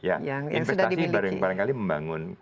investasi barangkali membangun